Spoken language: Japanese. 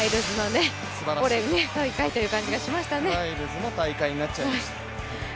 ライルズの大会になっちゃいました。